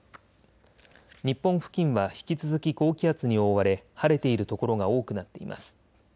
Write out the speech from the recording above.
日本付近は引き続き高気圧に覆われ晴れている所が多くなっています。